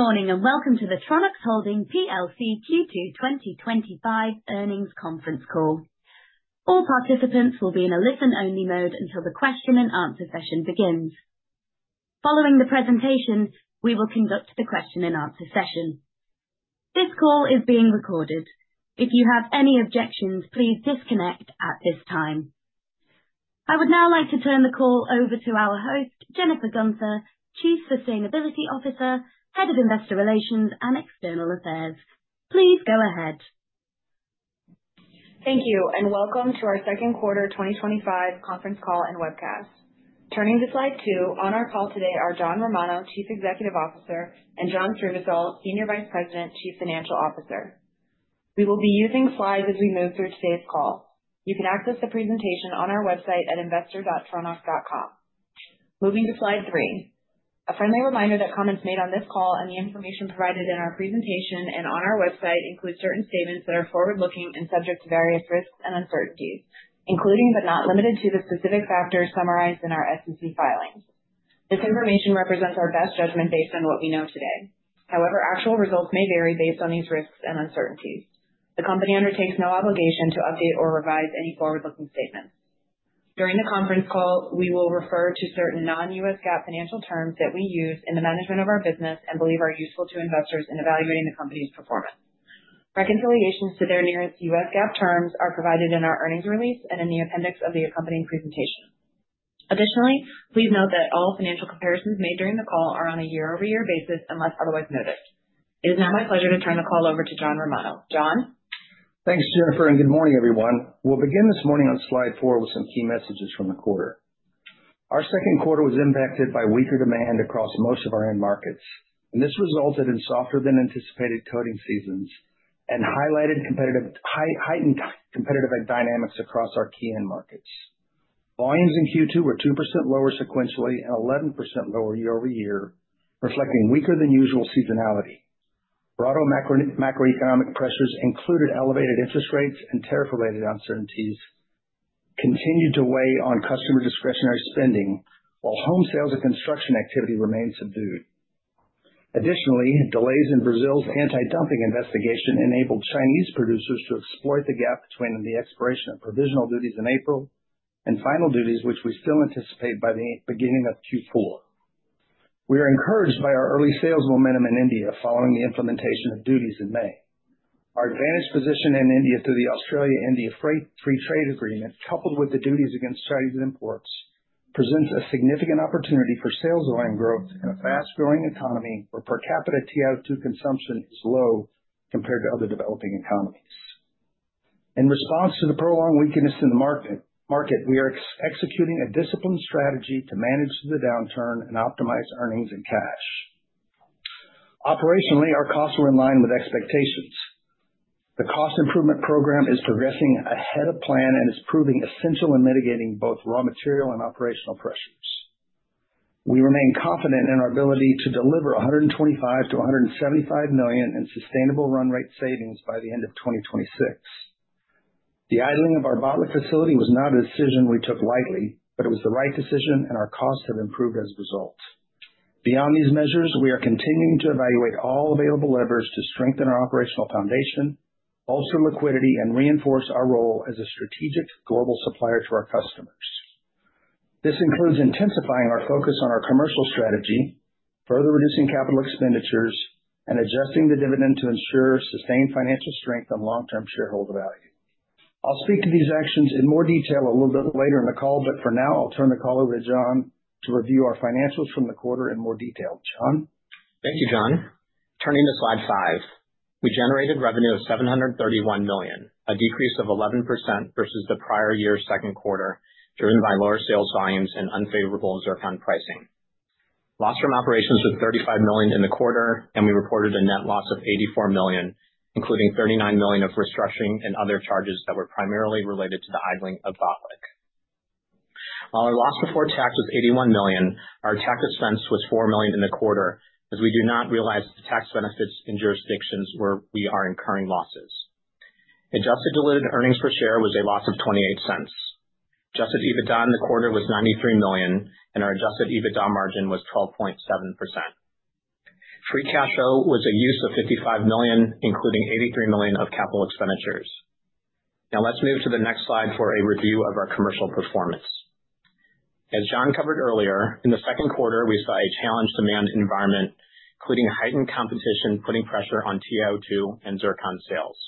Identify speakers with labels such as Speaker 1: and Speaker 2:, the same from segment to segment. Speaker 1: Good morning and welcome to the Tronox Holdings plc Q2 2025 earnings conference call. All participants will be in a listen-only mode until the question and answer session begins. Following the presentation, we will conduct the question and answer session. This call is being recorded. If you have any objections, please disconnect at this time. I would now like to turn the call over to our host, Jennifer Guenther, Chief Sustainability Officer, Head of Investor Relations and External Affairs. Please go ahead.
Speaker 2: Thank you and welcome to our second quarter 2025 conference call and webcast. Turning to slide two, on our call today are John Romano, Chief Executive Officer, and John Srivisal, Senior Vice President, Chief Financial Officer. We will be using slides as we move through today's call. You can access the presentation on our website at investor.tronox.com. Moving to slide three, a friendly reminder that comments made on this call and the information provided in our presentation and on our website include certain statements that are forward-looking and subject to various risks and uncertainties, including but not limited to the specific factors summarized in our SEC filings. This information represents our best judgment based on what we know today. However, actual results may vary based on these risks and uncertainties. The company undertakes no obligation to update or revise any forward-looking statements. During the conference call, we will refer to certain non-U.S. GAAP financial terms that we use in the management of our business and believe are useful to investors in evaluating the company's performance. Reconciliations to their nearest U.S. GAAP terms are provided in our earnings release and in the appendix of the accompanying presentation. Additionally, please note that all financial comparisons made during the call are on a year-over-year basis unless otherwise noted. It is now my pleasure to turn the call over to John Romano. John?
Speaker 3: Thanks, Jennifer, and good morning, everyone. We'll begin this morning on slide four with some key messages from the quarter. Our second quarter was impacted by weaker demand across most of our end markets, and this resulted in softer than anticipated coating seasons and highlighted heightened competitive dynamics across our key end markets. Volumes in Q2 were 2% lower sequentially and 11% lower year-over-year, reflecting weaker than usual seasonality. Broader macroeconomic pressures included elevated interest rates and tariff-related uncertainties that continued to weigh on customer discretionary spending, while home sales and construction activity remained subdued. Additionally, delays in Brazil's anti-dumping investigation enabled Chinese producers to exploit the gap between the expiration of provisional duties in April and final duties, which we still anticipate by the beginning of Q4. We are encouraged by our early sales momentum in India following the implementation of duties in May. Our advantaged position in India through the Australia-India Free Trade Agreement, coupled with the duties against Chinese imports, presents a significant opportunity for sales line growth in a fast-growing economy where per capita TiO2 consumption is low compared to other developing economies. In response to the prolonged weakness in the market, we are executing a disciplined strategy to manage the downturn and optimize earnings and cash. Operationally, our costs were in line with expectations. The cost improvement program is progressing ahead of plan and is proving essential in mitigating both raw material and operational pressures. We remain confident in our ability to deliver $125 million-$175 million in sustainable run-rate savings by the end of 2026. The idling of our Botlek facility was not a decision we took lightly, but it was the right decision, and our costs have improved as a result. Beyond these measures, we are continuing to evaluate all available levers to strengthen our operational foundation, bolster liquidity, and reinforce our role as a strategic global supplier to our customers. This includes intensifying our focus on our commercial strategy, further reducing capital expenditures, and adjusting the dividend to ensure sustained financial strength and long-term shareholder value. I'll speak to these actions in more detail a little bit later in the call, but for now, I'll turn the call over to John to review our financials from the quarter in more detail. John?
Speaker 4: Thank you, John. Turning to slide five, we generated revenue of $731 million, a decrease of 11% versus the prior year's second quarter driven by lower sales volumes and unfavorable reserve fund pricing. Loss from operations was $35 million in the quarter, and we reported a net loss of $84 million, including $39 million of restructuring and other charges that were primarily related to the idling of Botlek. Our loss before tax was $81 million. Our tax expense was $4 million in the quarter, as we do not realize the tax benefits in jurisdictions where we are incurring losses. Adjusted diluted earnings per share was a loss of $0.28. Adjusted EBITDA in the quarter was $93 million, and our adjusted EBITDA margin was 12.7%. Free Cash Flow was a use of $55 million, including $83 million of capital expenditures. Now let's move to the next slide for a review of our commercial performance. As John covered earlier, in the second quarter, we saw a challenged demand environment, including heightened competition putting pressure on TiO2 and zircon sales.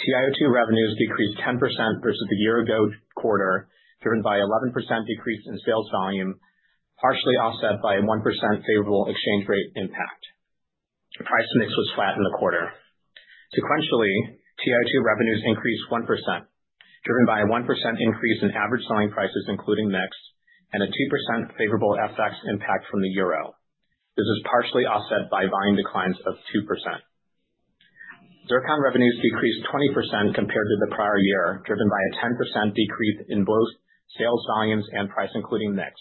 Speaker 4: The TiO2 revenues decreased 10% versus the year-ago quarter, driven by an 11% decrease in sales volume, partially offset by a 1% favorable exchange rate impact. The price mix was flat in the quarter. Sequentially, TiO2 revenues increased 1%, driven by a 1% increase in average selling prices, including mix, and a 2% favorable FX impact from the euro. This is partially offset by volume declines of 2%. Zircon revenues decreased 20% compared to the prior year, driven by a 10% decrease in both sales volumes and price, including mix,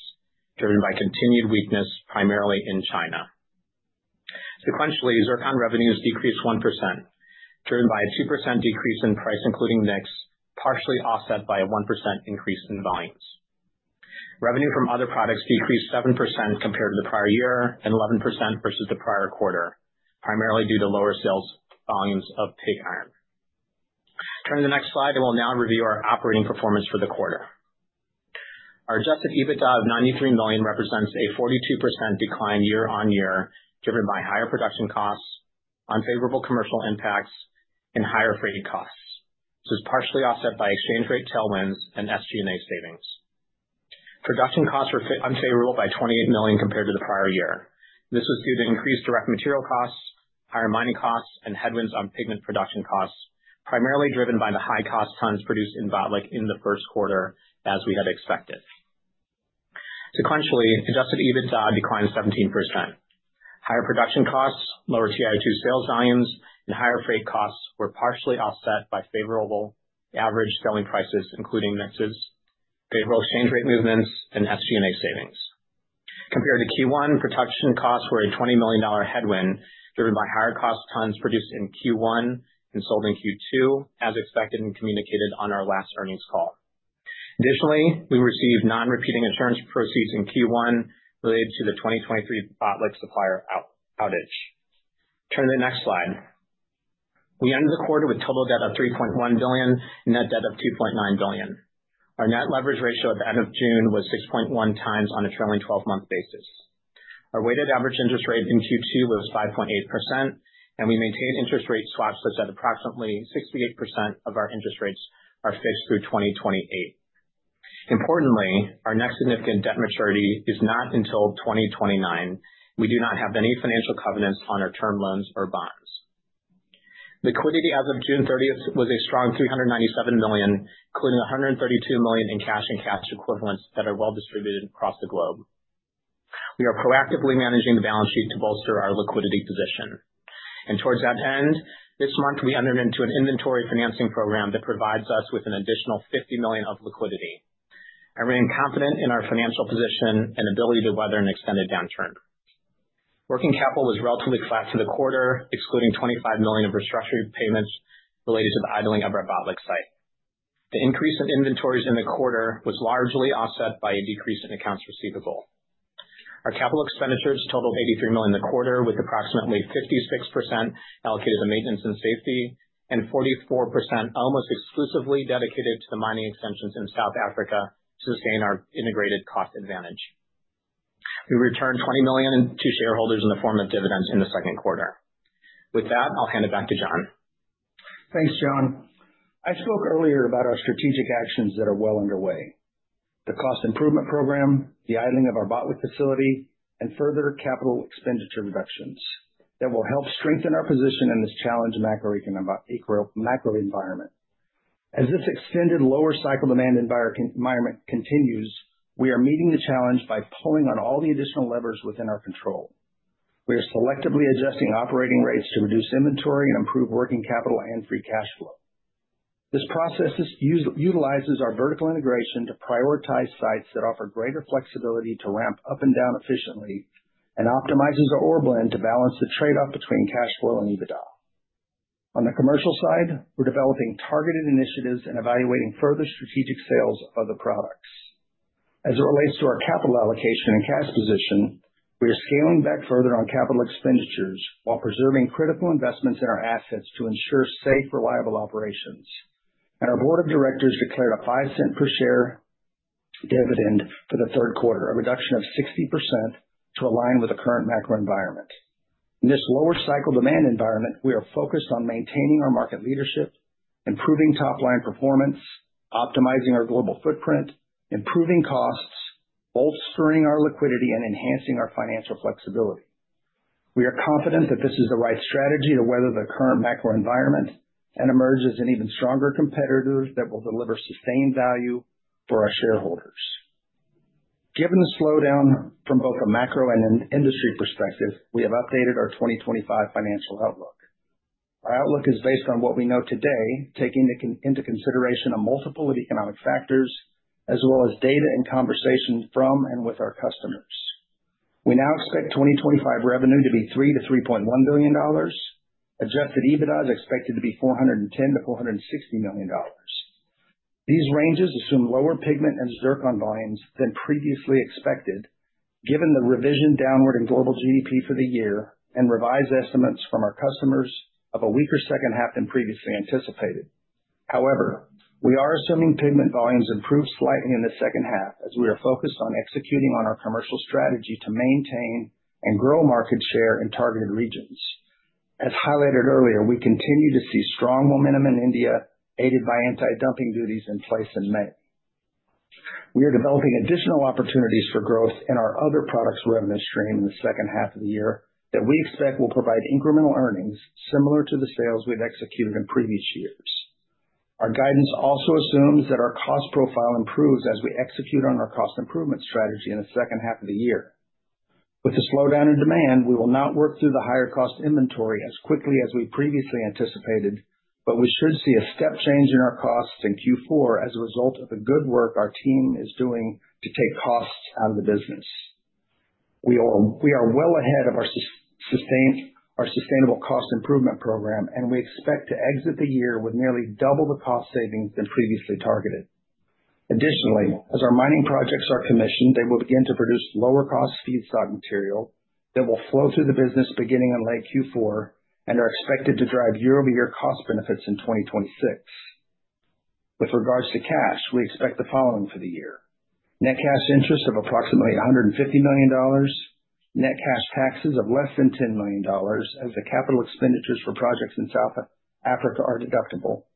Speaker 4: driven by continued weakness primarily in China. Sequentially, zircon revenues decreased 1%, driven by a 2% decrease in price, including mix, partially offset by a 1% increase in volumes. Revenue from other products decreased 7% compared to the prior year and 11% versus the prior quarter, primarily due to lower sales volumes of pig iron. Turning to the next slide, I will now review our operating performance for the quarter. Our adjusted EBITDA of $93 million represents a 42% decline year on year, driven by higher production costs, unfavorable commercial impacts, and higher freight costs. This is partially offset by a change rate tailwind and SG&A savings. Production costs were unfavorable by $28 million compared to the prior year. This was due to increased direct material costs, higher mining costs, and headwinds on pigment production costs, primarily driven by the high-cost tons produced in Botlek in the first quarter, as we had expected. Sequentially, adjusted EBITDA declined 17%. Higher production costs, lower TiO2 sales volumes, and higher freight costs were partially offset by favorable average selling prices, including mixes, favorable exchange rate movements, and SG&A savings. Compared to Q1, production costs were a $20 million headwind, driven by higher cost tons produced in Q1 and sold in Q2, as expected and communicated on our last earnings call. Additionally, we received non-repeating insurance proceeds in Q1 related to the 2023 Botlek supplier outage. Turn to the next slide. We ended the quarter with total debt of $3.1 billion and net debt of $2.9 billion. Our net leverage ratio at the end of June was 6.1 times on a trailing 12-month basis. Our weighted average interest rate in Q2 was 5.8%, and we maintained interest rate swaps such that approximately 68% of our interest rates are fixed through 2028. Importantly, our next significant debt maturity is not until 2029. We do not have any financial covenants on our term loans or bonds. Liquidity as of June 30 was a strong $397 million, including $132 million in cash and cash equivalents that are well distributed across the globe. We are proactively managing the balance sheet to bolster our liquidity position. Towards that end, this month we entered into an inventory financing facility that provides us with an additional $50 million of liquidity. I remain confident in our financial position and ability to weather an extended downturn. Working capital was relatively flat for the quarter, excluding $25 million of restructuring payments related to the idling of our Botlek site. The increase in inventories in the quarter was largely offset by a decrease in accounts receivable. Our capital expenditures totaled $83 million in the quarter, with approximately 56% allocated to maintenance and safety and 44% almost exclusively dedicated to the mining extensions in South Africa to sustain our integrated cost advantage. We returned $20 million to shareholders in the form of dividends in the second quarter. With that, I'll hand it back to John.
Speaker 3: Thanks, John. I spoke earlier about our strategic actions that are well underway: the cost improvement program, the idling of our Botlek facility, and further capital expenditure reductions that will help strengthen our position in this challenged macroeconomic environment. As this extended lower cycle demand environment continues, we are meeting the challenge by pulling on all the additional levers within our control. We are selectively adjusting operating rates to reduce inventory and improve working capital and Free Cash Flow. This process utilizes our vertical integration to prioritize sites that offer greater flexibility to ramp up and down efficiently and optimizes the ore blend to balance the trade-off between cash flow and adjusted EBITDA. On the commercial side, we're developing targeted initiatives and evaluating further strategic sales of the products. As it relates to our capital allocation and cash position, we are scaling back further on capital expenditures while preserving critical investments in our assets to ensure safe, reliable operations. Our Board of Directors declared a $0.05 per share dividend for the third quarter, a reduction of 60% to align with the current macro environment. In this lower cycle demand environment, we are focused on maintaining our market leadership, improving top-line performance, optimizing our global footprint, improving costs, bolstering our liquidity, and enhancing our financial flexibility. We are confident that this is the right strategy to weather the current macro environment and emerge as an even stronger competitor that will deliver sustained value for our shareholders. Given the slowdown from both a macro and an industry perspective, we have updated our 2025 financial outlook. Our outlook is based on what we know today, taking into consideration a multiple of economic factors, as well as data and conversation from and with our customers. We now expect 2025 revenue to be $3 billion-$3.1 billion. Adjusted EBITDA is expected to be $410 million-$460 million. These ranges assume lower pigment and zircon volumes than previously expected, given the revision downward in global GDP for the year and revised estimates from our customers of a weaker second half than previously anticipated. However, we are assuming pigment volumes improve slightly in the second half, as we are focused on executing on our commercial strategy to maintain and grow market share in targeted regions. As highlighted earlier, we continue to see strong momentum in India, aided by anti-dumping duties in place in May. We are developing additional opportunities for growth in our other products revenue stream in the second half of the year that we expect will provide incremental earnings similar to the sales we've executed in previous years. Our guidance also assumes that our cost profile improves as we execute on our cost improvement strategy in the second half of the year. With the slowdown in demand, we will not work through the higher cost inventory as quickly as we previously anticipated, but we should see a step change in our costs in Q4 as a result of the good work our team is doing to take costs out of the business. We are well ahead of our sustainable cost improvement program, and we expect to exit the year with nearly double the cost savings than previously targeted. Additionally, as our mining projects are commissioned, they will begin to produce lower cost feedstock material that will flow through the business beginning in late Q4 and are expected to drive year-over-year cost benefits in 2026. With regards to cash, we expect the following for the year: net cash interest of approximately $150 million, net cash taxes of less than $10 million, as the capital expenditures for projects in South Africa are deductible,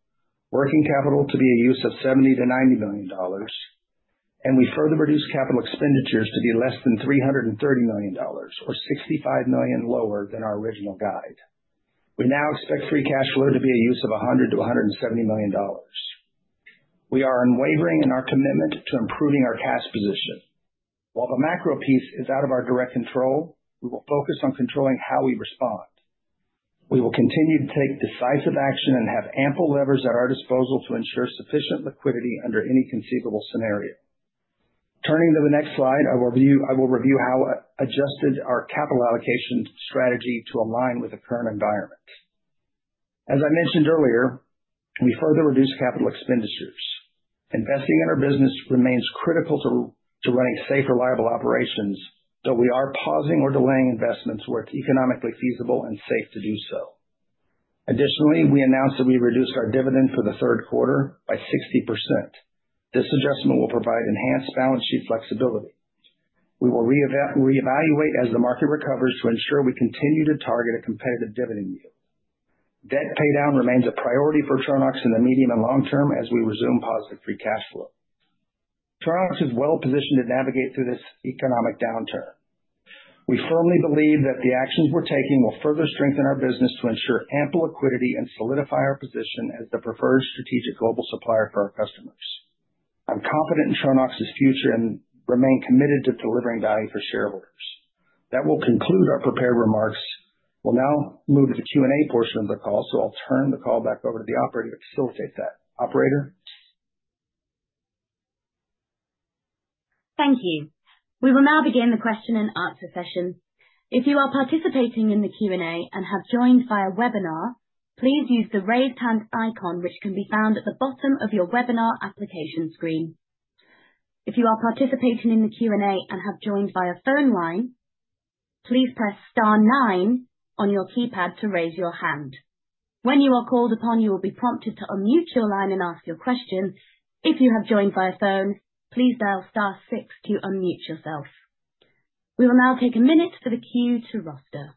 Speaker 3: working capital to be a use of $70-$90 million, and we further reduce capital expenditures to be less than $330 million, or $65 million lower than our original guide. We now expect Free Cash Flow to be a use of $100-$170 million. We are unwavering in our commitment to improving our cash position. While the macro piece is out of our direct control, we will focus on controlling how we respond. We will continue to take decisive action and have ample levers at our disposal to ensure sufficient liquidity under any conceivable scenario. Turning to the next slide, I will review how I adjusted our capital allocation strategy to align with the current environment. As I mentioned earlier, we further reduce capital expenditures. Investing in our business remains critical to running safe, reliable operations, though we are pausing or delaying investments where it's economically feasible and safe to do so. Additionally, we announced that we reduced our dividend for the third quarter by 60%. This adjustment will provide enhanced balance sheet flexibility. We will reevaluate as the market recovers to ensure we continue to target a competitive dividend yield. Debt paydown remains a priority for Tronox in the medium and long term as we resume positive Free Cash Flow. Tronox is well positioned to navigate through this economic downturn. We firmly believe that the actions we're taking will further strengthen our business to ensure ample liquidity and solidify our position as the preferred strategic global supplier for our customers. I'm confident in Tronox's future and remain committed to delivering value for shareholders. That will conclude our prepared remarks. We'll now move to the Q&A portion of the call, so I'll turn the call back over to the operator. Go ahead, operator.
Speaker 1: Thank you. We will now begin the question and answer session. If you are participating in the Q&A and have joined via webinar, please use the raised hand icon, which can be found at the bottom of your webinar application screen. If you are participating in the Q&A and have joined via phone line, please press star nine on your keypad to raise your hand. When you are called upon, you will be prompted to unmute your line and ask your question. If you have joined via phone, please dial star six to unmute yourself. We will now take a minute for the queue to roster.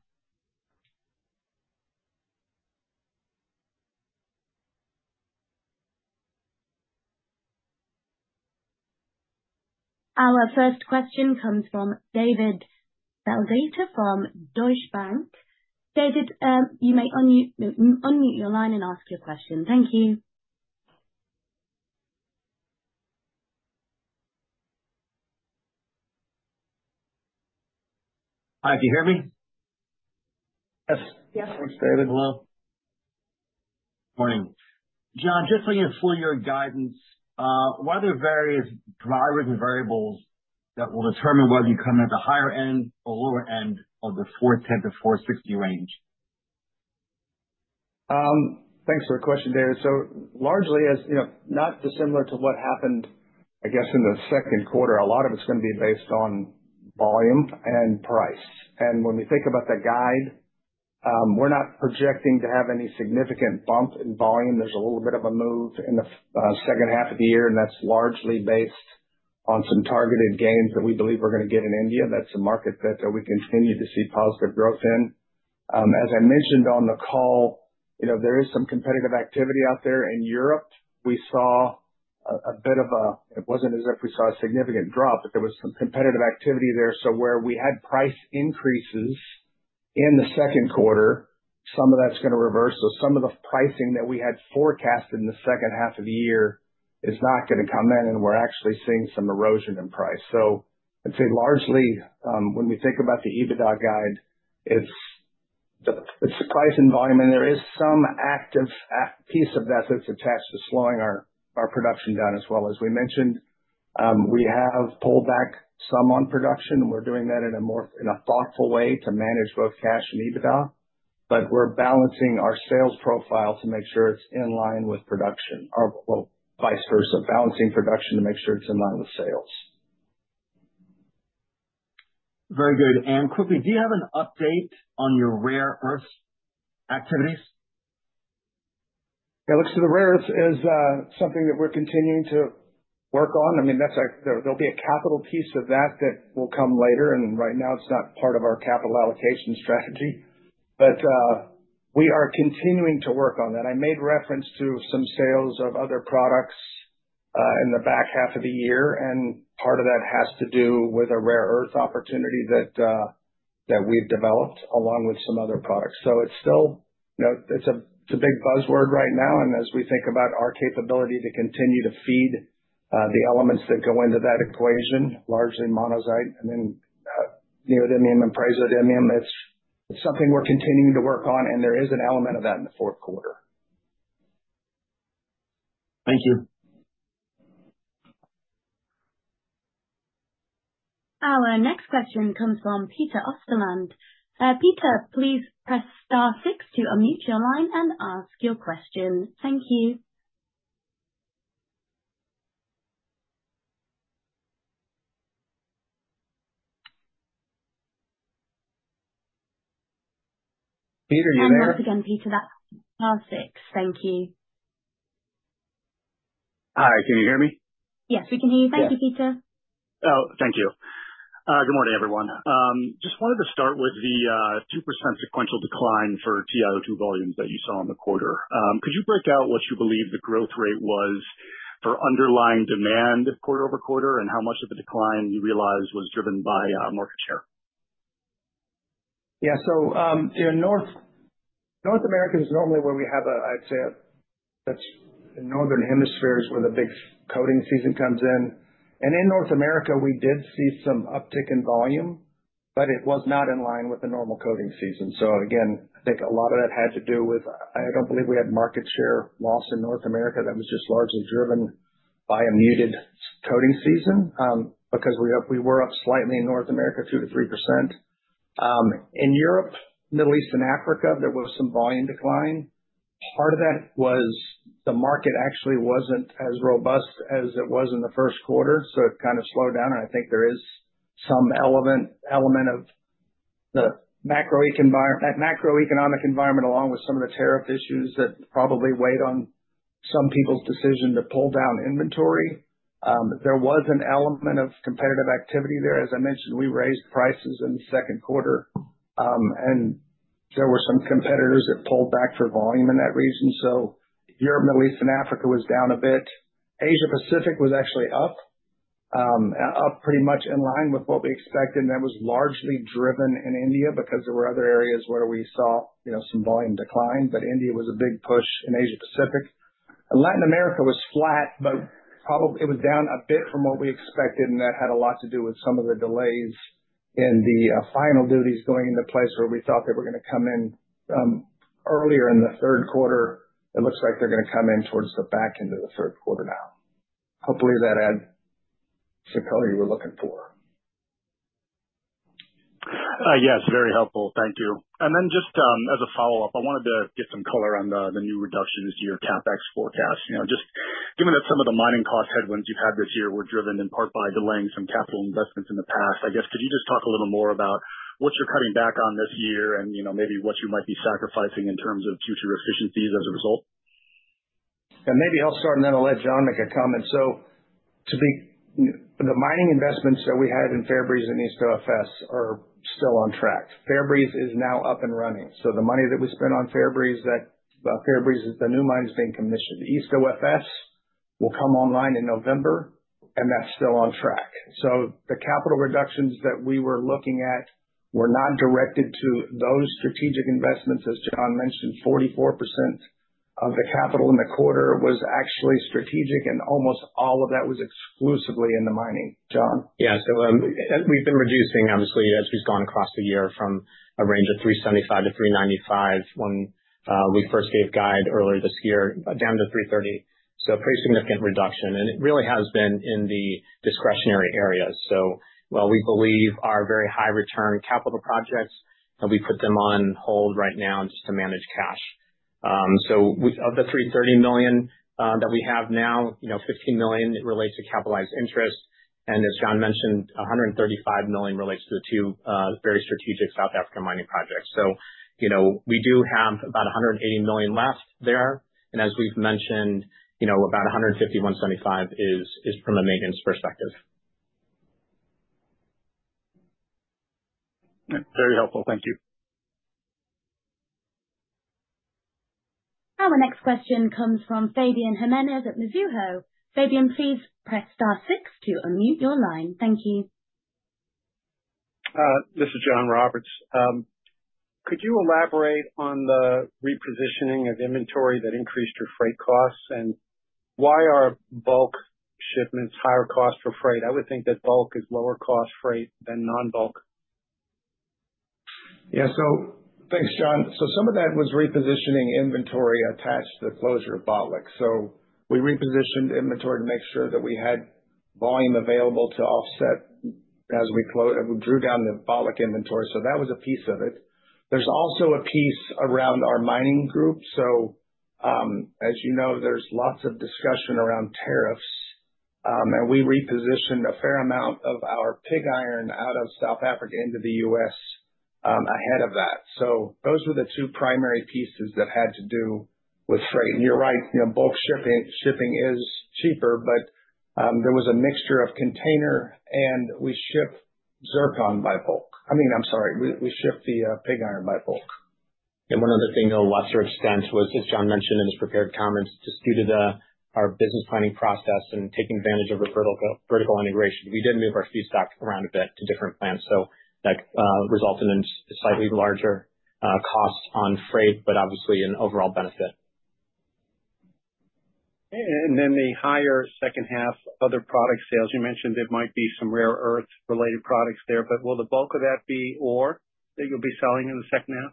Speaker 1: Our first question comes from David Begleiter from Deutsche Bank. David, you may unmute your line and ask your question. Thank you.
Speaker 5: Hi, do you hear me?
Speaker 4: Yes.
Speaker 3: Thanks, David. Hello.
Speaker 5: Morning. John, just so we can fully understand your guidance, why are there various drivers and variables that will determine whether you come at the higher end or lower end of the $410 million-$460 million range?
Speaker 3: Thanks for the question, David. Largely, as you know, not dissimilar to what happened, I guess, in the second quarter, a lot of it's going to be based on volume and price. When we think about the guide, we're not projecting to have any significant bump in volume. There's a little bit of a move in the second half of the year, and that's largely based on some targeted gains that we believe we're going to get in India. That's a market that we continue to see positive growth in. As I mentioned on the call, there is some competitive activity out there in Europe. We saw a bit of a, it wasn't as if we saw a significant drop, but there was some competitive activity there. Where we had price increases in the second quarter, some of that's going to reverse. Some of the pricing that we had forecast in the second half of the year is not going to come in, and we're actually seeing some erosion in price. I'd say largely, when we think about the EBITDA guide, it's the price and volume, and there is some active piece of that that's attached to slowing our production down as well. As we mentioned, we have pulled back some on production, and we're doing that in a more thoughtful way to manage both cash and EBITDA. We're balancing our sales profile to make sure it's in line with production, or vice versa, balancing production to make sure it's in line with sales.
Speaker 5: Very good. Quickly, do you have an update on your rare earth activities?
Speaker 3: Yeah, which to the rare earth is something that we're continuing to work on. I mean, there'll be a capital piece of that that will come later, and right now it's not part of our capital allocation strategy. We are continuing to work on that. I made reference to some sales of other products in the back half of the year, and part of that has to do with a rare earth opportunity that we've developed along with some other products. It's still, you know, it's a big buzzword right now. As we think about our capability to continue to feed the elements that go into that equation, largely monazite, I mean, Neodymium and Praseodymium is something we're continuing to work on, and there is an element of that in the fourth quarter.
Speaker 5: Thank you.
Speaker 1: Our next question comes from Peter Osterland. Peter, please press star six to unmute your line and ask your question. Thank you.
Speaker 3: Peter, are you there?
Speaker 1: Once again, Peter, that's star six. Thank you.
Speaker 6: Hi, can you hear me?
Speaker 1: Yes, we can hear you. Thank you, Peter.
Speaker 6: Thank you. Good morning, everyone. Just wanted to start with the 2% sequential decline for TiO2 volumes that you saw in the quarter. Could you break out what you believe the growth rate was for underlying demand quarter-over- quarter, and how much of the decline you realized was driven by market share?
Speaker 3: Yeah, North America is normally where we have a, I'd say, that's in northern hemispheres where the big coating season comes in. In North America, we did see some uptick in volume, but it was not in line with the normal coating season. I think a lot of that had to do with, I don't believe we had market share loss in North America. That was just largely driven by a muted coating season, because we were up slightly in North America, 2%-3%. In Europe, Middle East, and Africa, there was some volume decline. Part of that was the market actually wasn't as robust as it was in the first quarter, so it kind of slowed down. I think there is some element of the macro-economic environment along with some of the tariff issues that probably weighed on some people's decision to pull down inventory. There was an element of competitive activity there. As I mentioned, we raised prices in the second quarter, and there were some competitors that pulled back for volume in that region. Europe, Middle East, and Africa was down a bit. Asia-Pacific was actually up, up pretty much in line with what we expected, and that was largely driven in India because there were other areas where we saw some volume decline. India was a big push in Asia-Pacific. Latin America was flat, but probably it was down a bit from what we expected, and that had a lot to do with some of the delays in the final duties going into place where we thought they were going to come in earlier in the third quarter. It looks like they're going to come in towards the back end of the third quarter now. Hopefully, that adds to tell you we're looking for.
Speaker 6: Yes, very helpful. Thank you. Just as a follow-up, I wanted to get some color on the new reductions to your CapEx forecast. Just given that some of the mining cost headwinds you've had this year were driven in part by delaying some capital investments in the past, could you just talk a little more about what you're cutting back on this year and maybe what you might be sacrificing in terms of future efficiencies as a result?
Speaker 3: Maybe I'll start and then I'll let John make a comment. The mining investments that we had in Fairbreeze and East OFS are still on track. Fairbreeze is now up and running. The money that we spent on Fairbreeze, that Fairbreeze is the new mines being commissioned. The East OFS will come online in November, and that's still on track. The capital reductions that we were looking at were not directed to those strategic investments. As John mentioned, 44% of the capital in the quarter was actually strategic, and almost all of that was exclusively in the mining. John?
Speaker 4: Yeah, so we've been reducing, obviously, as we've gone across the year from a range of $375 million-$395 million when we purchased the guide earlier this year, down to $330 million. That's a pretty significant reduction, and it really has been in the discretionary areas. While we believe our very high return capital projects, we put them on hold right now just to manage cash. Of the $330 million that we have now, $15 million relates to capitalized interest, and as John mentioned, $135 million relates to two very strategic South African mining projects. We do have about $180 million left there, and as we've mentioned, about $151.75 million is from a maintenance perspective.
Speaker 6: Very helpful. Thank you.
Speaker 1: Our next question comes from Fabian Jimenez at Mizuho. Fabian, please press star six to unmute your line. Thank you.
Speaker 7: This is John Roberts. Could you elaborate on the repositioning of inventory that increased your freight costs, and why are bulk shipments higher costs for freight? I would think that bulk is lower cost freight than non-bulk.
Speaker 3: Yeah, thanks, John. Some of that was repositioning inventory attached to the closure of Botlek. We repositioned inventory to make sure that we had volume available to offset as we closed, and we drew down the Botlek inventory. That was a piece of it. There's also a piece around our mining group. As you know, there's lots of discussion around tariffs, and we repositioned a fair amount of our pig iron out of South Africa into the U.S. ahead of that. Those were the two primary pieces that had to do with freight. You're right, bulk shipping is cheaper, but there was a mixture of container, and we ship zircon by bulk. I'm sorry, we ship the pig iron by bulk.
Speaker 4: One other thing to a lesser extent was, as John mentioned in the prepared comments, to suit our business planning process and take advantage of the vertical integration, we did move our feedstock around a bit to different plants. That resulted in slightly larger costs on freight, but obviously an overall benefit.
Speaker 7: The higher second half other product sales, you mentioned there might be some rare earth related products there, but will the bulk of that be ore that you'll be selling in the second half?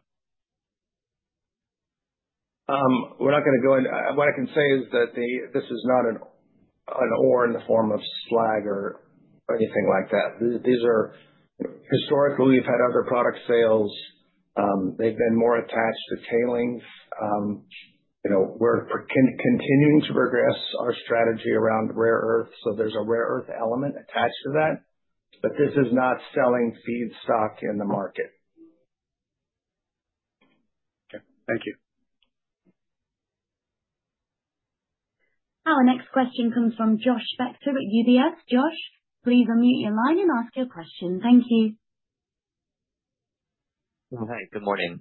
Speaker 3: We're not going to go into what I can say is that this is not an ore in the form of slag or anything like that. These are historically we've had other product sales. They've been more attached to tailings. We're continuing to progress our strategy around rare earth, so there's a rare earth element attached to that. This is not selling feedstock in the market.
Speaker 7: Okay, thank you.
Speaker 1: Our next question comes from Josh Spector at UBS. Josh, please unmute your line and ask your question. Thank you.
Speaker 8: Hi, good morning.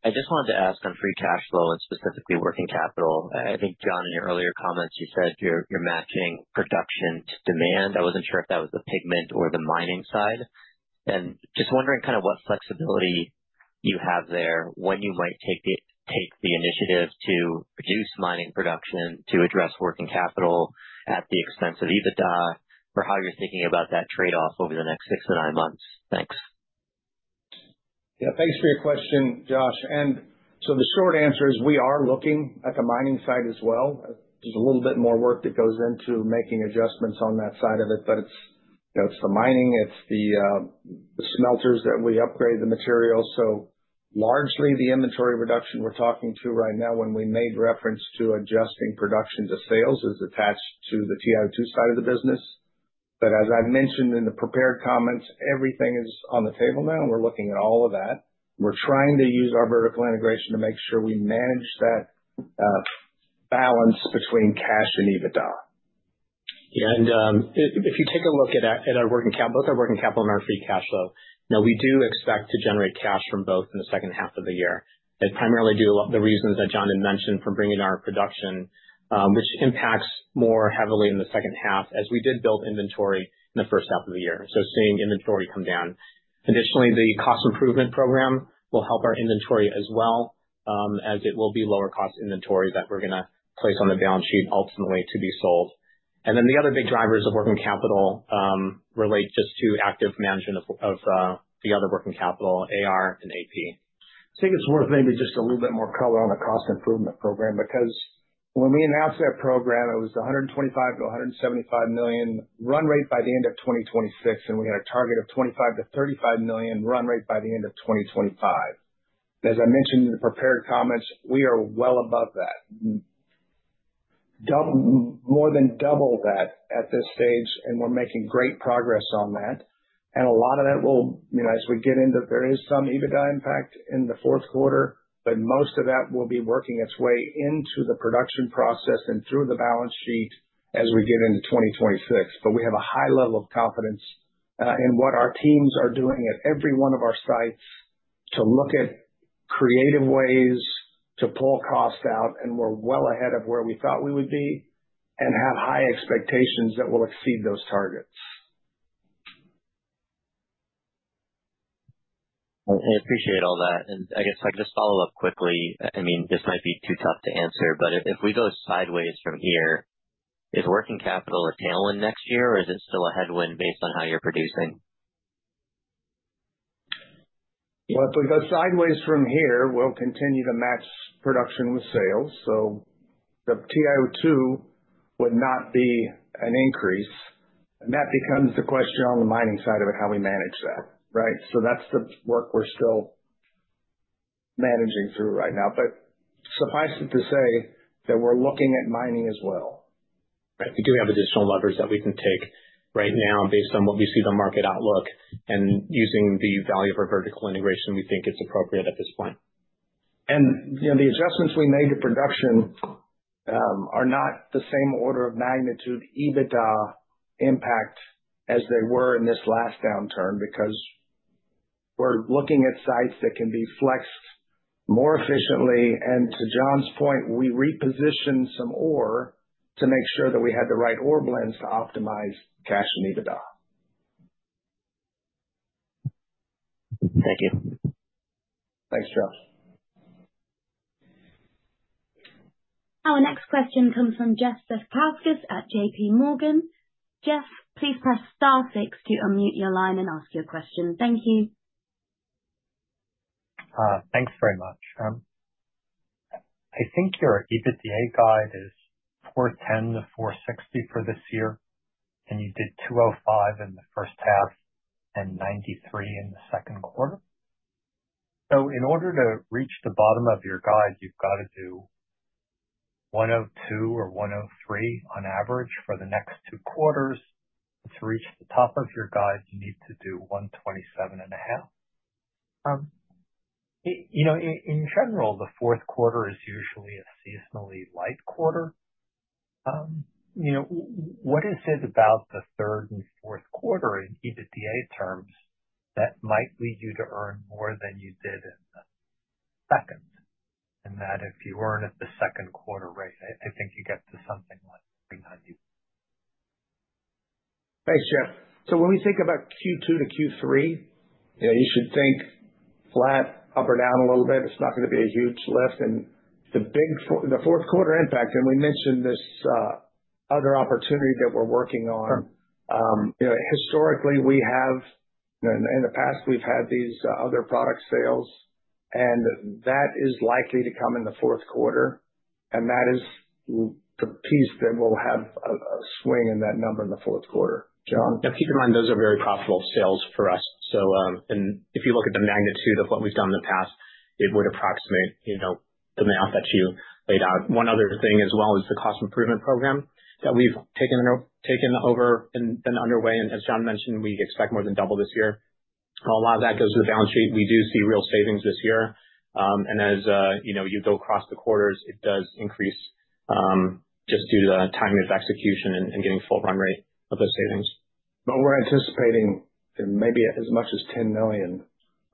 Speaker 8: I just wanted to ask on Free Cash Flow and specifically working capital. I think, John, in your earlier comments, you said you're matching production to demand. I wasn't sure if that was the pigment or the mining side. I'm just wondering kind of what flexibility you have there, when you might take the initiative to reduce mining production to address working capital at the expense of EBITDA or how you're thinking about that trade-off over the next six to nine months. Thanks.
Speaker 3: Yeah, thanks for your question, Josh. The short answer is we are looking at the mining side as well. There's a little bit more work that goes into making adjustments on that side of it, but it's the mining, it's the smelters that we upgrade the materials. Largely, the inventory reduction we're talking to right now when we made reference to adjusting production to sales is attached to the TiO2 side of the business. As I mentioned in the prepared comments, everything is on the table now. We're looking at all of that. We're trying to use our vertical integration to make sure we manage that balance between cash and EBITDA.
Speaker 4: Yeah, and if you take a look at our working capital, both our working capital and our Free Cash Flow, we do expect to generate cash from both in the second half of the year. They primarily do a lot of the reasons that John had mentioned for bringing our production, which impacts more heavily in the second half as we did build inventory in the first half of the year. Seeing inventory come down. Additionally, the cost improvement program will help our inventory as well, as it will be lower cost inventory that we're going to place on the balance sheet ultimately to be sold. The other big drivers of working capital relate just to active management of the other working capital, AR and AP.
Speaker 3: I think it's worth maybe just a little bit more color on the cost improvement program because when we announced that program, it was $125 million-$175 million run rate by the end of 2026, and we had a target of $25 million-$35 million run rate by the end of 2025. As I mentioned in the prepared comments, we are well above that, more than double that at this stage, and we're making great progress on that. A lot of that will, as we get into, there is some EBITDA impact in the fourth quarter, but most of that will be working its way into the production process and through the balance sheet as we get into 2026. We have a high level of confidence in what our teams are doing at every one of our sites to look at creative ways to pull costs out, and we're well ahead of where we thought we would be and have high expectations that we'll exceed those targets.
Speaker 8: I appreciate all that. I guess I could just follow up quickly. This might be too tough to answer, but if we go sideways from here, is working capital a tailwind next year, or is it still a headwind based on how you're producing?
Speaker 3: If we go sideways from here, we'll continue to match production with sales. The TiO2 would not be an increase. That becomes the question on the mining side of it, how we manage that, right? That's the work we're still managing through right now. Suffice it to say that we're looking at mining as well.
Speaker 4: I think we do have additional levers that we can take right now based on what we see the market outlook and using the value of our vertical integration. We think it's appropriate at this point.
Speaker 3: The adjustments we made to production are not the same order of magnitude EBITDA impact as they were in this last downturn because we're looking at sites that can be flexed more efficiently. To John's point, we repositioned some ore to make sure that we had the right ore blends to optimize cash and EBITDA.
Speaker 8: Thank you.
Speaker 3: Thanks, Josh.
Speaker 1: Our next question comes from Jeff Zekauskas at JPMorgan. Jeff, please press star six to unmute your line and ask your question. Thank you.
Speaker 5: Thanks very much. I think your EBITDA guide is $410 million-$460 million for this year, and you did $205 million in the first half and $93 million in the second quarter. In order to reach the bottom of your guide, you've got to do $102 million or $103 million on average for the next two quarters. To reach the top of your guide, you need to do $127.5 million. In general, the fourth quarter is usually a seasonally light quarter. What is it about the third and fourth quarter in EBITDA terms that might lead you to earn more than you did in the second? If you earn at the second quarter rate, I think you get to something like $90 million.
Speaker 3: Thanks, Jeff. When we think about Q2 to Q3, you should think flat, up or down a little bit. It's not going to be a huge lift. The big fourth quarter impact, and we mentioned this other opportunity that we're working on. Historically, in the past, we've had these other products fails, and that is likely to come in the fourth quarter. That is the piece that will have a swing in that number in the fourth quarter.
Speaker 4: Now, keep in mind, those are very profitable sales for us. If you look at the magnitude of what we've done in the past, it would approximate, you know, the math that you laid out. One other thing as well is the cost improvement program that we've taken over and been underway. As John mentioned, we expect more than double this year. A lot of that goes to the balance sheet. We do see real savings this year. As you know, you go across the quarters, it does increase just due to the timing of execution and getting full run rate of those savings.
Speaker 3: We are anticipating maybe as much as $10 million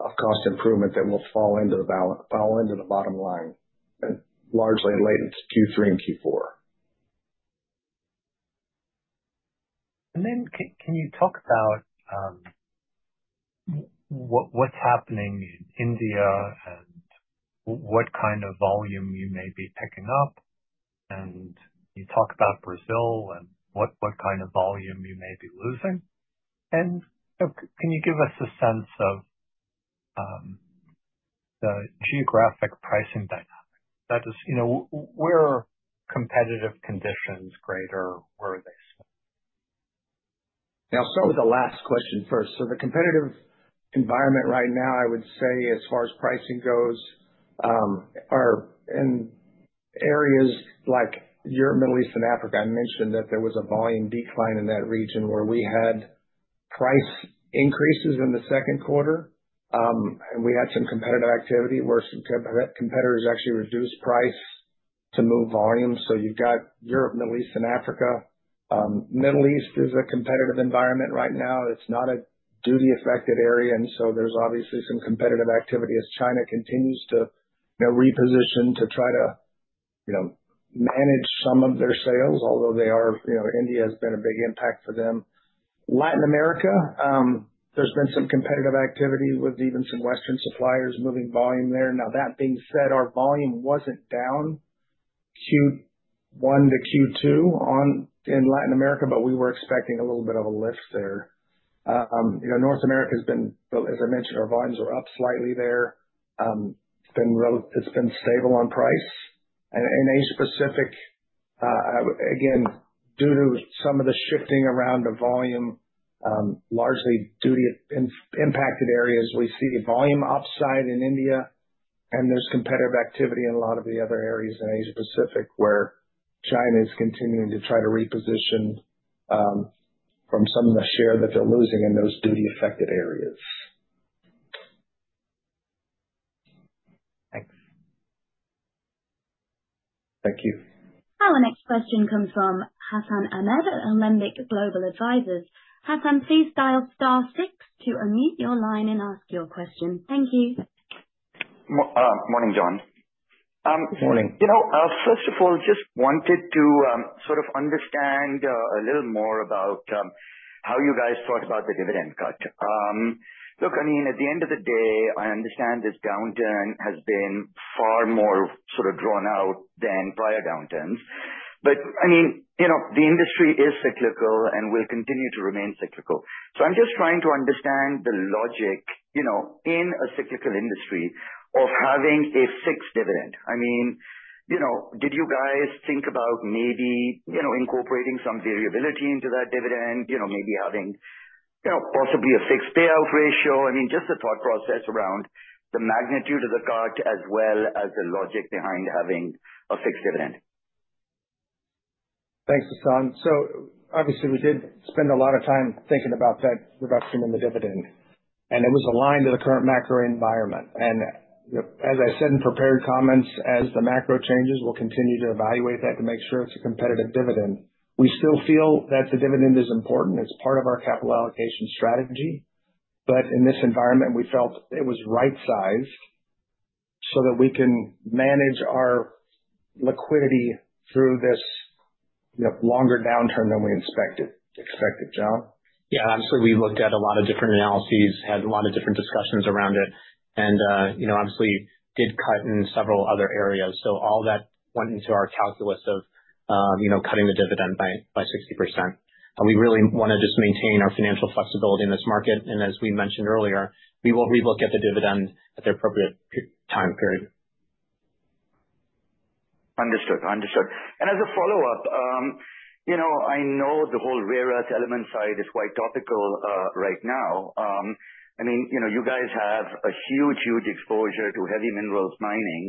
Speaker 3: of cost improvements that will fall into the bottom line, largely in late Q3 and Q4.
Speaker 9: Can you talk about what's happening in India and what kind of volume you may be picking up? You talk about Brazil and what kind of volume you may be losing. Can you give us a sense of the geographic pricing dynamics? That is, you know, where are competitive conditions greater? Where are they?
Speaker 3: Yeah, I'll start with the last question first. The competitive environment right now, I would say, as far as pricing goes, is in areas like Europe, Middle East, and Africa. I mentioned that there was a volume decline in that region where we had price increases in the second quarter, and we had some competitive activity where some competitors actually reduced price to move volume. You've got Europe, Middle East, and Africa. Middle East is a competitive environment right now. It's not a duty-affected area, and there's obviously some competitive activity as China continues to reposition to try to manage some of their sales, although India has been a big impact for them. Latin America, there's been some competitive activity with even some Western suppliers moving volume there. That being said, our volume wasn't down Q1 to Q2 in Latin America, but we were expecting a little bit of a lift there. North America has been, as I mentioned, our volumes are up slightly there. It's been stable on price. In Asia-Pacific, again, due to some of the shifting around the volume, largely duty-impacted areas, we see volume offside in India. There's competitive activity in a lot of the other areas in Asia-Pacific where China is continuing to try to reposition from some of the share that they're losing in those duty-affected areas.
Speaker 9: Thanks.
Speaker 3: Thank you.
Speaker 1: Our next question comes from Hassan Ahmed at Alembic Global Advisors. Hassan, please dial star six to unmute your line and ask your question. Thank you.
Speaker 10: Morning, John.
Speaker 3: Morning.
Speaker 10: First of all, I just wanted to understand a little more about how you guys talked about the dividend cut. I mean, at the end of the day, I understand this downturn has been far more drawn out than prior downturns. I mean, the industry is cyclical and will continue to remain cyclical. I'm just trying to understand the logic in a cyclical industry of having a fixed dividend. I mean, did you guys think about maybe incorporating some variability into that dividend, maybe having possibly a fixed payout ratio? Just the thought process around the magnitude of the cut as well as the logic behind having a fixed dividend.
Speaker 3: Thanks, Hassan. We did spend a lot of time thinking about that reduction in the dividend. It was aligned to the current macro environment. As I said in prepared comments, as the macro changes, we'll continue to evaluate that to make sure it's a competitive dividend. We still feel that the dividend is important. It's part of our capital allocation strategy. In this environment, we felt it was right-sized so that we can manage our liquidity through this longer downturn than we expected. John?
Speaker 4: Obviously, we looked at a lot of different analyses, had a lot of different discussions around it, and did cut in several other areas. All that went into our calculus of cutting the dividend by 60%. We really wanted to maintain our financial flexibility in this market. As we mentioned earlier, we will re-look at the dividend at the appropriate time period.
Speaker 10: Understood. As a follow-up, I know the whole rare earth element side is quite topical right now. You guys have a huge, huge exposure to heavy minerals mining.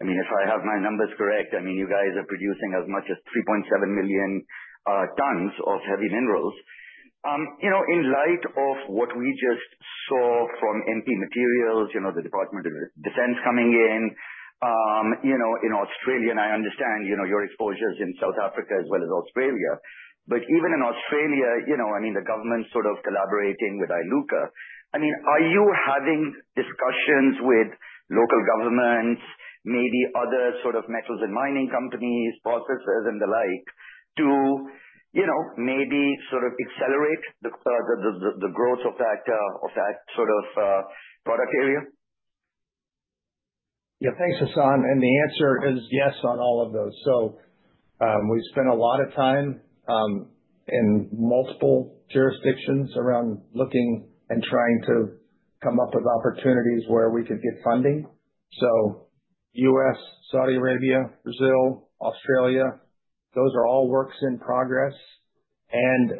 Speaker 10: If I have my numbers correct, you guys are producing as much as 3.7 million tons of heavy minerals. In light of what we just saw from MP Materials, the Department of Defense coming in, in Australia, and I understand your exposures in South Africa as well as Australia. Even in Australia, the government's sort of collaborating with Iluka. Are you having discussions with local governments, maybe other metals and mining companies, processors, and the like to maybe sort of accelerate the growth of that product area?
Speaker 3: Yeah, thanks, Hassan. The answer is yes on all of those. We spent a lot of time in multiple jurisdictions around looking and trying to come up with opportunities where we could get funding. The U.S., Saudi Arabia, Brazil, Australia, those are all works in progress.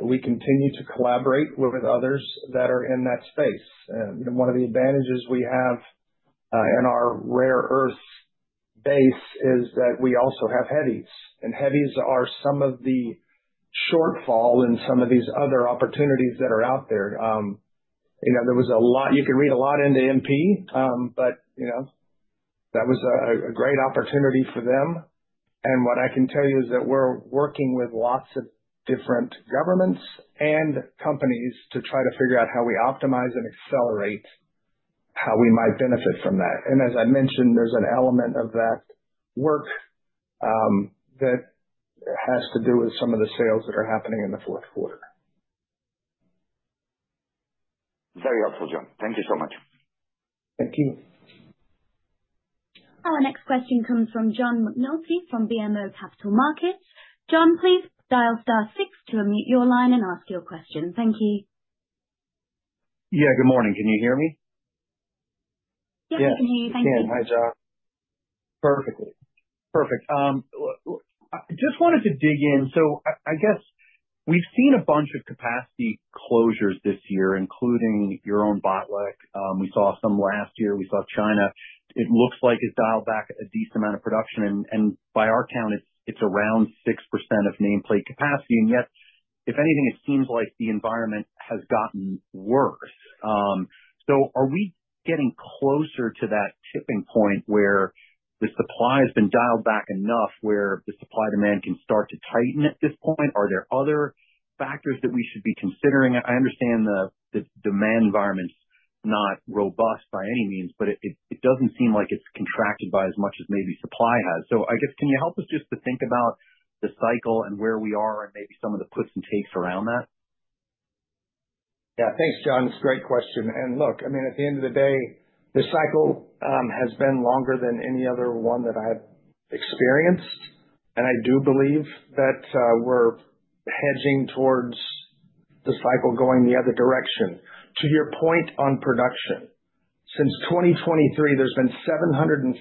Speaker 3: We continue to collaborate with others that are in that space. One of the advantages we have in our rare earth base is that we also have heavies. Heavies are some of the shortfall in some of these other opportunities that are out there. There was a lot, you could read a lot into MP, but that was a great opportunity for them. What I can tell you is that we're working with lots of different governments and companies to try to figure out how we optimize and accelerate how we might benefit from that. As I mentioned, there's an element of that work that has to do with some of the sales that are happening in the fourth quarter.
Speaker 10: Very helpful, John. Thank you so much.
Speaker 3: Thank you.
Speaker 1: Our next question comes from John McNulty from BMO Capital Markets. John, please dial star six to unmute your line and ask your question. Thank you.
Speaker 11: Good morning. Can you hear me?
Speaker 1: Yes, we can hear you. Thank you.
Speaker 11: Yeah, hi John. Perfect. I just wanted to dig in. I guess we've seen a bunch of capacity closures this year, including your own Botlek facility. We saw some last year. We saw China. It looks like it's dialed back a decent amount of production. By our count, it's around 6% of nameplate capacity. Yet, if anything, it seems like the environment has gotten worse. Are we getting closer to that tipping point where the supply has been dialed back enough where the supply demand can start to tighten at this point? Are there other factors that we should be considering? I understand the demand environment's not robust by any means, but it doesn't seem like it's contracted by as much as maybe supply has. Can you help us just to think about the cycle and where we are and maybe some of the puts and takes around that?
Speaker 3: Yeah, thanks, John. It's a great question. At the end of the day, the cycle has been longer than any other one that I've experienced. I do believe that we're hedging towards the cycle going the other direction. To your point on production, since 2023, there's been 750,000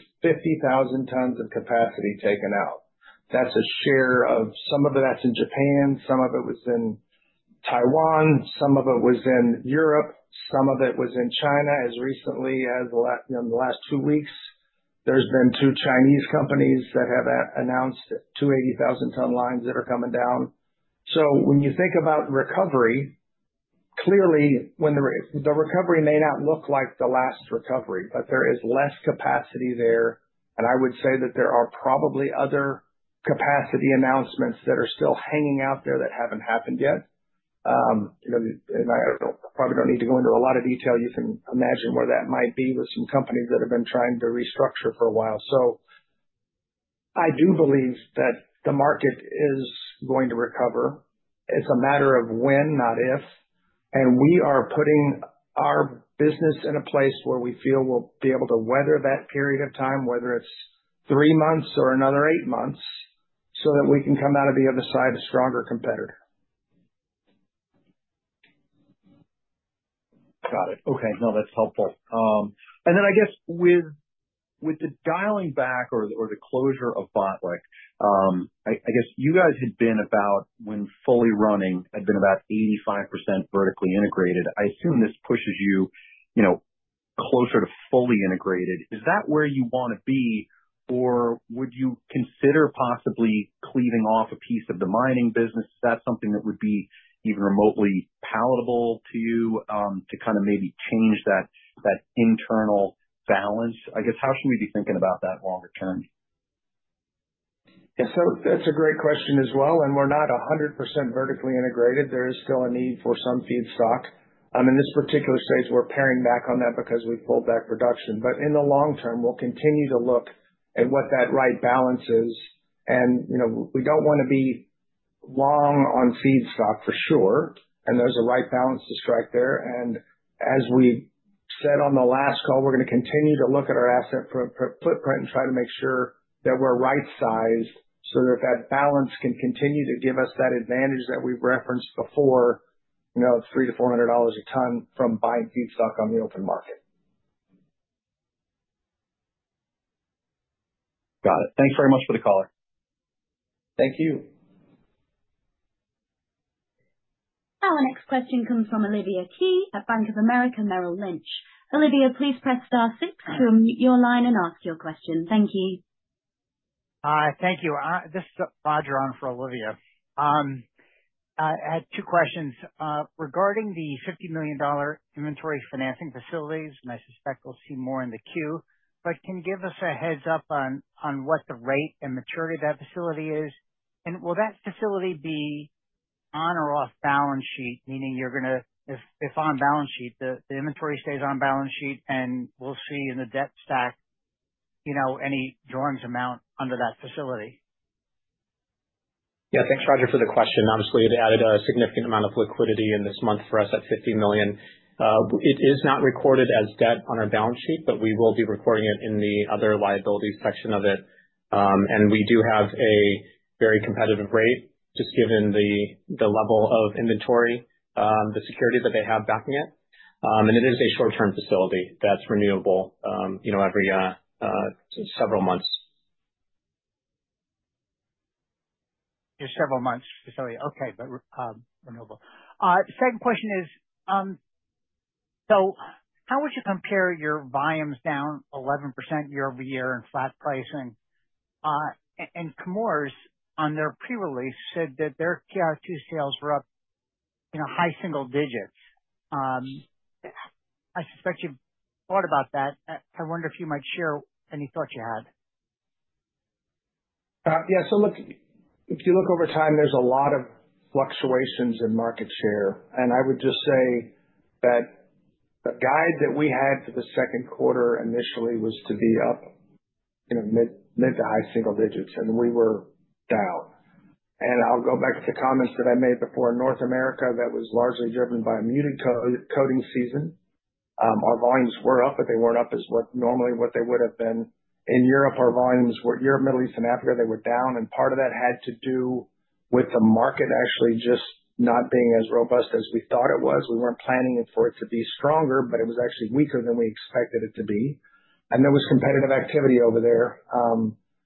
Speaker 3: tons of capacity taken out. That's a share of some of that's in Japan, some of it was in Taiwan, some of it was in Europe, some of it was in China. As recently as the last two weeks, there's been two Chinese companies that have announced 280,000 ton lines that are coming down. When you think about the recovery, clearly, the recovery may not look like the last recovery, but there is less capacity there. I would say that there are probably other capacity announcements that are still hanging out there that haven't happened yet. You know, I probably don't need to go into a lot of detail. You can imagine where that might be with some companies that have been trying to restructure for a while. I do believe that the market is going to recover. It's a matter of when, not if. We are putting our business in a place where we feel we'll be able to weather that period of time, whether it's three months or another eight months, so that we can come out of the other side as stronger competitors.
Speaker 11: Got it. Okay. No, that's helpful. With the dialing back or the closure of Botlek, you guys had been, when fully running, about 85% vertically integrated. I assume this pushes you closer to fully integrated. Is that where you want to be, or would you consider possibly cleaving off a piece of the mining business? Is that something that would be even remotely palatable to you, to maybe change that internal balance? How should we be thinking about that longer term?
Speaker 3: That's a great question as well. We're not 100% vertically integrated. There is still a need for some feedstock. In this particular space, we're paring back on that because we've pulled back production. In the long term, we'll continue to look at what that right balance is. We don't want to be long on feedstock for sure. There's a right balance to strike there. As we said on the last call, we're going to continue to look at our asset footprint and try to make sure that we're right-sized so that balance can continue to give us that advantage that we've referenced before, $300-$400 a ton from buying feedstock on the open market.
Speaker 11: Got it. Thanks very much for the call.
Speaker 3: Thank you.
Speaker 1: Our next question comes from Olivia Hee at Bank of America Merrill Lynch. Olivia, please press star six to unmute your line and ask your question. Thank you. Hi, thank you. This is Roger on for Olivia. I had two questions regarding the $50 million inventory financing facilities, and I suspect we'll see more in the queue. Can you give us a heads up on what the rate and maturity of that facility is? Will that facility be on or off balance sheet, meaning if on balance sheet, the inventory stays on balance sheet, and we'll see in the debt stack any drawings amount under that facility?
Speaker 4: Yeah, thanks, Roger, for the question. Obviously, it added a significant amount of liquidity this month for us at $50 million. It is not recorded as debt on our balance sheet, but we will be recording it in the other liability section of it. We do have a very competitive rate, just given the level of inventory, the security that they have backing it. It is a short-term facility that's renewable every several months. Just several months facility. Okay, but renewable. Second question is, how would you compare your volumes down 11% year-over-year in flat pricing? Chemours, on their pre-release, said that their TiO2 sales were up in high single digits. I suspect you thought about that. I wonder if you might share any thoughts you had.
Speaker 3: Yeah, so look, if you look over time, there's a lot of fluctuations in market share. I would just say that the guide that we had for the second quarter initially was to be up in mid to high single digits, and we were down. I'll go back to the comments that I made before in North America; that was largely driven by a muted coating season. Our volumes were up, but they weren't up as what normally what they would have been. In Europe, Middle East, and Africa, they were down. Part of that had to do with the market actually just not being as robust as we thought it was. We weren't planning for it to be stronger, but it was actually weaker than we expected it to be. There was competitive activity over there,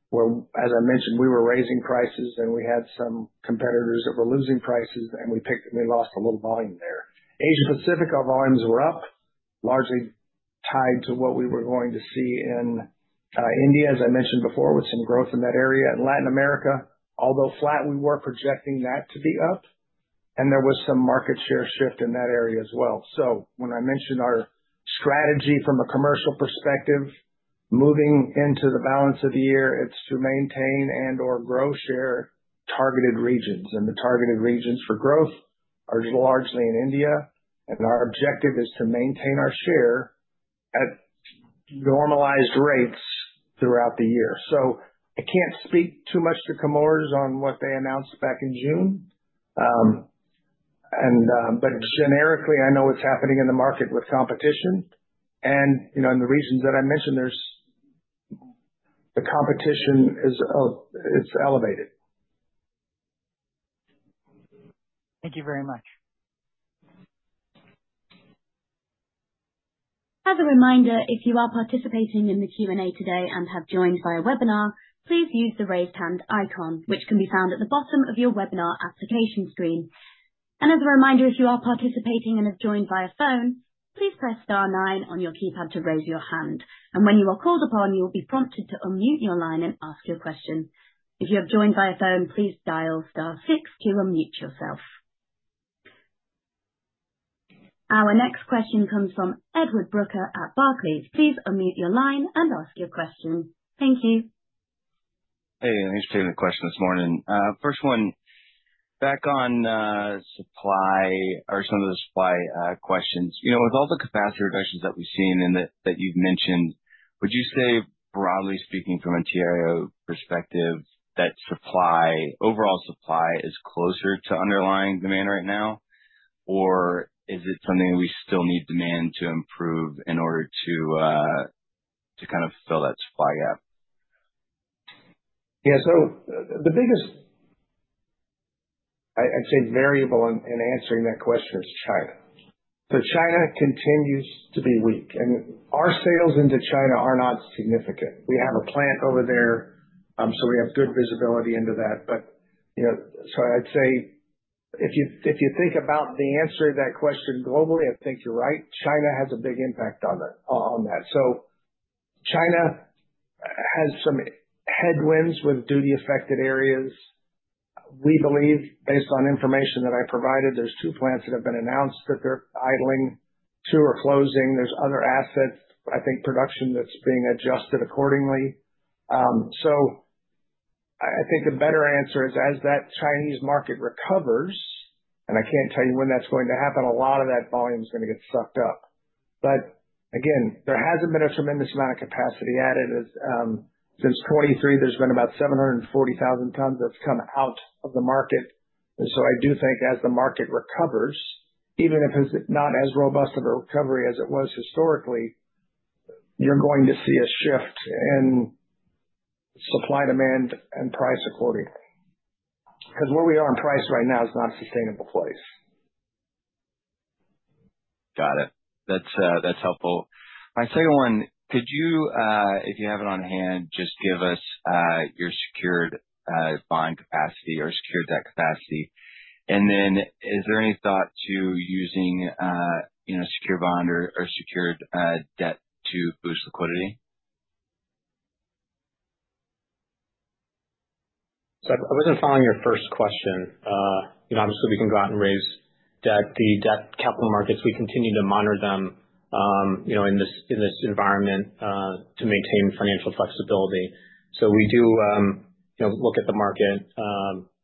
Speaker 3: where, as I mentioned, we were raising prices, and we had some competitors that were losing prices, and we lost a little volume there. Asia-Pacific, our volumes were up, largely tied to what we were going to see in India, as I mentioned before, with some growth in that area. Latin America, although flat, we were projecting that to be up. There was some market share shift in that area as well. When I mentioned our strategy from a commercial perspective, moving into the balance of the year, it's to maintain and/or grow share in targeted regions. The targeted regions for growth are largely in India. Our objective is to maintain our share at normalized rates throughout the year. I can't speak too much to Chemours on what they announced back in June, but generically, I know what's happening in the market with competition. In the reasons that I mentioned, the competition is, oh, it's elevated. Thank you very much.
Speaker 1: As a reminder, if you are participating in the Q&A today and have joined via webinar, please use the raised hand icon, which can be found at the bottom of your webinar application screen. If you are participating and have joined via phone, please press star nine on your keypad to raise your hand. When you are called upon, you will be prompted to unmute your line and ask your question. If you have joined via phone, please dial star six to unmute yourself. Our next question comes from Edward Brucker at Barclays. Please unmute your line and ask your question. Thank you.
Speaker 12: Hey, thanks for taking the question this morning. First one, back on supply or some of those supply questions. With all the capacity reductions that we've seen and that you've mentioned, would you say, broadly speaking, from a TiO2 perspective, that supply, overall supply, is closer to underlying demand right now, or is it something we still need demand to improve in order to kind of fill that supply gap?
Speaker 3: Yeah, the biggest, I'd say, variable in answering that question is China. China continues to be weak, and our sales into China are not significant. We have a plant over there, so we have good visibility into that. I'd say if you think about the answer to that question globally, I think you're right. China has a big impact on that. China has some headwinds with duty-affected areas. We believe, based on information that I provided, there are two plants that have been announced that they're idling. Two are closing. There are other assets, I think, production that's being adjusted accordingly. I think a better answer is as that Chinese market recovers, and I can't tell you when that's going to happen, a lot of that volume is going to get sucked up. There hasn't been a tremendous amount of capacity added. As to 2023, there's been about 740,000 tons that's come out of the market. I do think as the market recovers, even if it's not as robust of a recovery as it was historically, you're going to see a shift in supply, demand, and price accordingly. Where we are in price right now is not a sustainable place.
Speaker 12: Got it. That's helpful. I say, could you, if you have it on hand, just give us your secured bond capacity or secured debt capacity? Is there any thought to using a secured bond or secured debt to boost liquidity?
Speaker 4: I wasn't following your first question. Obviously, we can go out and raise debt. The debt capital markets, we continue to monitor them in this environment to maintain financial flexibility. We do look at the market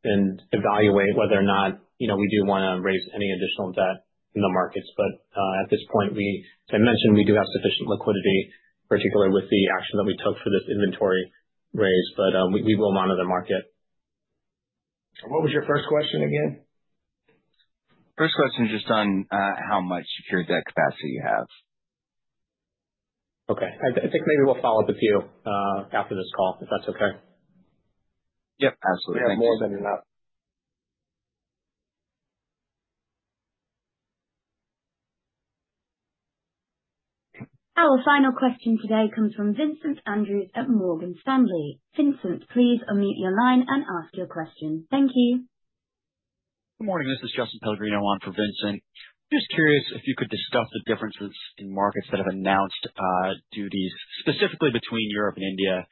Speaker 4: and evaluate whether or not we want to raise any additional debt in the markets. At this point, as I mentioned, we do have sufficient liquidity, particularly with the action that we took for this inventory raise. We will monitor the market. What was your first question again?
Speaker 12: First question is just on how much secured debt capacity you have.
Speaker 4: Okay, I think maybe we'll follow up with you after this call, if that's okay.
Speaker 12: Yep, absolutely. More than enough.
Speaker 1: Our final question today comes from Vincent Andrews at Morgan Stanley. Vincent, please unmute your line and ask your question. Thank you.
Speaker 13: Good morning. This is Justin Pellegrino on for Vincent. I'm just curious if you could discuss the differences in markets that have announced duties, specifically between Europe and India.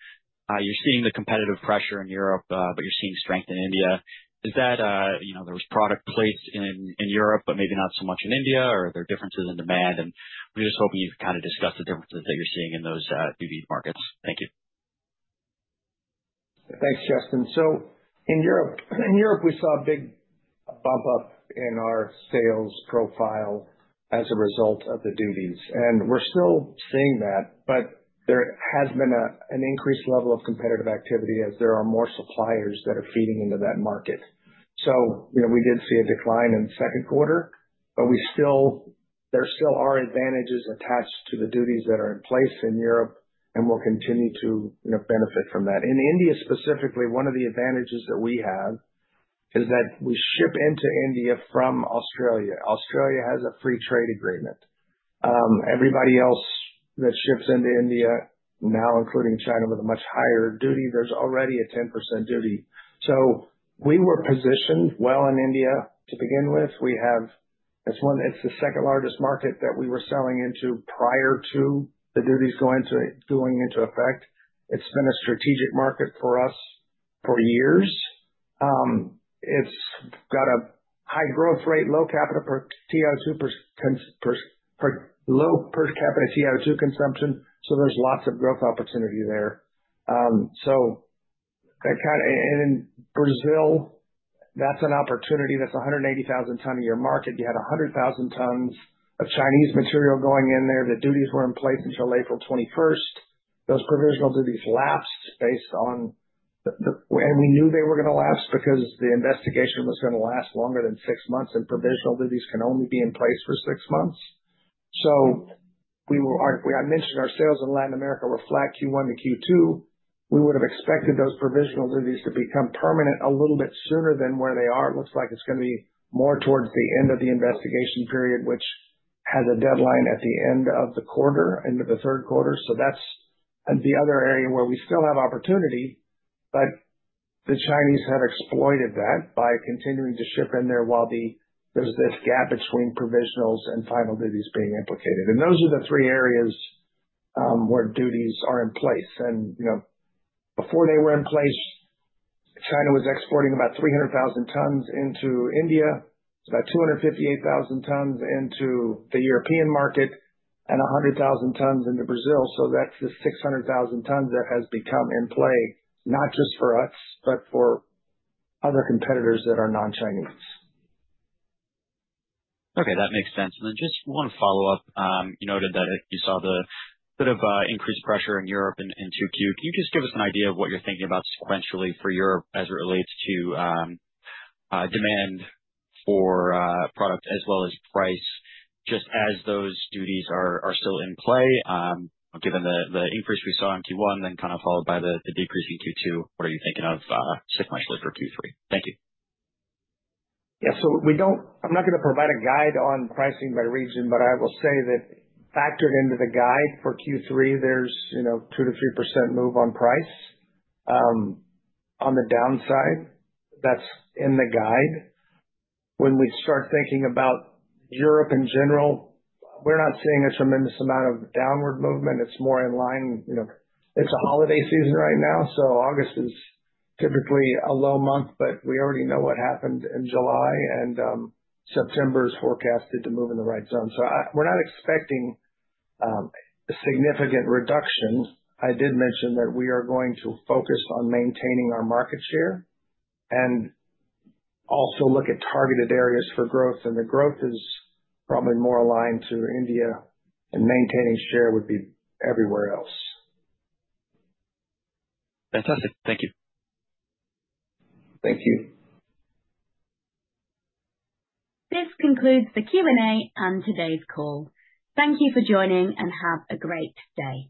Speaker 13: You're seeing the competitive pressure in Europe, but you're seeing strength in India. Is that, you know, there's product plates in Europe, but maybe not so much in India, or are there differences in demand? We're just hoping you could kind of discuss the differences that you're seeing in those duty markets. Thank you. Thanks, Justin. In Europe, we saw a big bump up in our sales profile as a result of the duties. We're still seeing that, but there has been an increased level of competitive activity as there are more suppliers that are feeding into that market. We did see a decline in the second quarter, but there still are advantages attached to the duties that are in place in Europe, and we'll continue to benefit from that. In India specifically, one of the advantages that we have is that we ship into India from Australia. Australia has a free trade agreement. Everybody else that ships into India, now including China, with a much higher duty, there's already a 10% duty. We were positioned well in India to begin with. It's the second largest market that we were selling into prior to the duties going into effect. It's been a strategic market for us for years. It's got a high growth rate, low per capita TiO2 consumption, so there's lots of growth opportunity there. In Brazil, that's an opportunity. That's a 180,000 ton a year market. You had 100,000 tons of Chinese material going in there. The duties were in place until April 21. Those provisional duties last based on, and we knew they were going to last because the investigation was going to last longer than six months, and provisional duties can only be in place for six months. I mentioned our sales in Latin America were flat Q1 to Q2. We would have expected those provisional duties to become permanent a little bit sooner than where they are. It looks like it's going to be more towards the end of the investigation period, which has a deadline at the end of the quarter, end of the third quarter. That's the other area where we still have opportunity, but the Chinese have exploited that by continuing to ship in there while there's this gap between provisionals and final duties being implicated. Those are the three areas where duties are in place. Before they were in place, China was exporting about 300,000 tons into India, about 258,000 tons into the European market, and 100,000 tons into Brazil. That's the 600,000 tons that has become in play, not just for us, but for other competitors that are non-Chinese. Okay, that makes sense. Just one follow-up. You noted that you saw the bit of increased pressure in Europe in 2Q. Can you give us an idea of what you're thinking about sequentially for Europe as it relates to demand for product as well as price, just as those duties are still in play, given the increase we saw in Q1, then kind of followed by the decrease in Q2? What are you thinking of sequentially for Q3? Thank you.
Speaker 3: Yeah, we don't, I'm not going to provide a guide on pricing by region, but I will say that factored into the guide for Q3, there's a 2%-3% move on price. On the downside, that's in the guide. When we start thinking about Europe in general, we're not seeing a tremendous amount of downward movement. It's more in line, it's a holiday season right now. August is typically a low month, but we already know what happened in July, and September is forecasted to move in the right zone. We're not expecting significant reductions. I did mention that we are going to focus on maintaining our market share and also look at targeted areas for growth. The growth is probably more aligned to India, and maintaining share would be everywhere else.
Speaker 13: Fantastic. Thank you.
Speaker 1: This concludes the Q&A and today's call. Thank you for joining and have a great day.